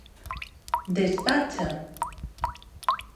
Despacha!